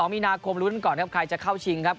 มีนาคมรุ้นก่อนครับใครจะเข้าชิงครับ